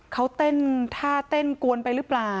เขาเต้นท่าเต้นกวนไปหรือเปล่า